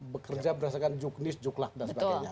bekerja berdasarkan juknis juklak dan sebagainya